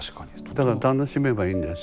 だから楽しめばいいんです。